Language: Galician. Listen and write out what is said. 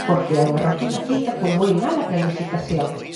Porque é unha rotonda feita con moi mala planificación.